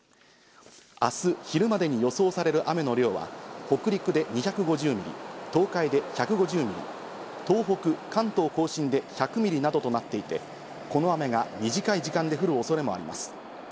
明日昼までに予想される雨の量は北陸で２５０ミリ、東海で１５０ミリ、東北、関東甲信で１００ミリなどとなっていて、この雨が短い時間で降る恐れもあります。